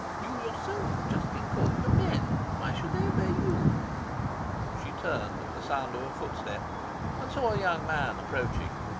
You yourself have just been calling them 'men.' Why should they obey you?" She turned at sound of a footstep, and saw a young man approaching.